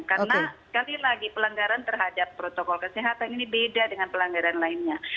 karena sekali lagi pelanggaran terhadap protokol kesehatan ini beda dengan pelanggaran lainnya